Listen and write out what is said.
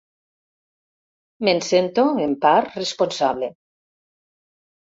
Me'n sento, en part, responsable.